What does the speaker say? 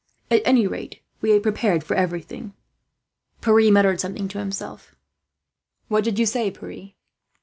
At any rate, we have prepared for everything." Pierre muttered something to himself. "What do you say, Pierre?"